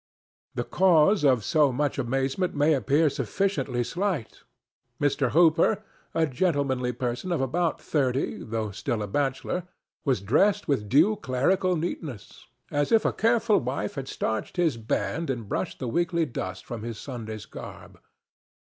The cause of so much amazement may appear sufficiently slight. Mr. Hooper, a gentlemanly person of about thirty, though still a bachelor, was dressed with due clerical neatness, as if a careful wife had starched his band and brushed the weekly dust from his Sunday's garb.